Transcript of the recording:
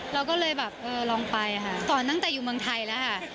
เราก็เลยลองไปค่ะตอนตั้งจากอยู่เมืองไทยล่ะค่ะ